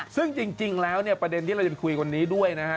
ซึ่งจริงแล้วเนี่ยประเด็นที่เราจะคุยวันนี้ด้วยนะฮะ